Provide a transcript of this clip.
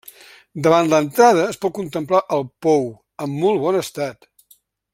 Davant l'entrada es pot contemplar el pou, en molt bon estat.